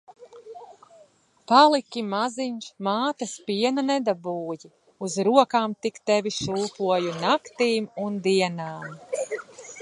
Paliki maziņš, mātes piena nedabūji. Uz rokām tik tevi šūpoju naktīm un dienām.